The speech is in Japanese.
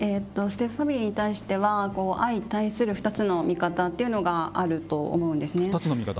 ステップファミリーに対しては相対する２つの見方っていうのがあると思うんですね。